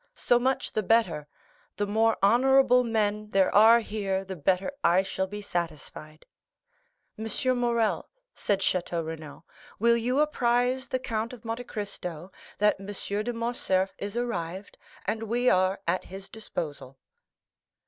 So much the better; the more honorable men there are here the better I shall be satisfied." "M. Morrel," said Château Renaud, "will you apprise the Count of Monte Cristo that M. de Morcerf is arrived, and we are at his disposal?"